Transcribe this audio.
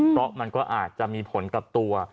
เพราะมันก็อาจจะมีผลกับตัว